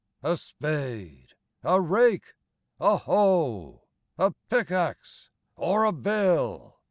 A spade! a rake! a hoe! A pickaxe, or a bill!